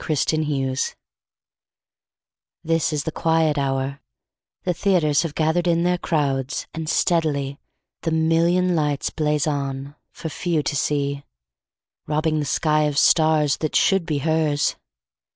Sara Teasdale Broadway THIS is the quiet hour; the theaters Have gathered in their crowds, and steadily The million lights blaze on for few to see, Robbing the sky of stars that should be hers.